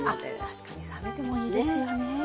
確かに冷めてもいいですよね。